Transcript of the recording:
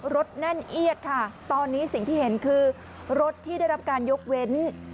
แน่นเอียดค่ะตอนนี้สิ่งที่เห็นคือรถที่ได้รับการยกเว้น